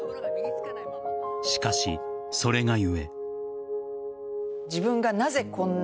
しかし、それが故。